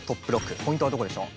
ポイントはどこでしょう？